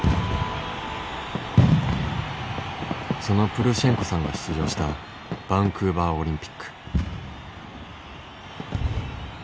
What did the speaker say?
そのプルシェンコさんが出場したバンクーバーオリンピック。